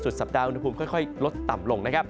สุดสัปดาห์อุณหภูมิค่อยลดต่ำลง